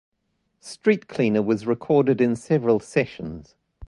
"Streetcleaner" was recorded in several sessions.